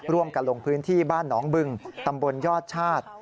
ลงพื้นที่บ้านหนองบึงตำบลยอดชาติ